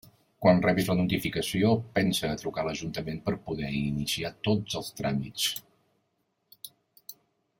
Quan rebis la notificació, pensa a trucar a l'ajuntament per poder iniciar tots els tràmits.